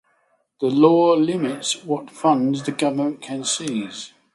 The law limits what funds the government can seize.